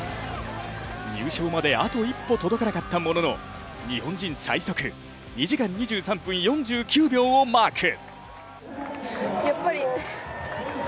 入賞まであと一歩届かなかったものの日本人最速２時間２３分４９秒をマーク。